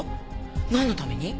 なんのために？